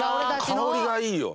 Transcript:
香りがいいよ。